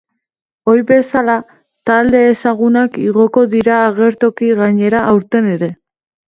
Ohi bezala, talde ezagunak igoko dira agertoki gainera aurten ere.